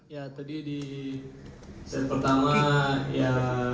ya tadi di set pertama ya